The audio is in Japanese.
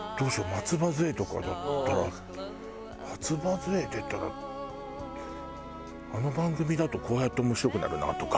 松葉杖とかだったら松葉杖出たらあの番組だとこうやって面白くなるな」とか。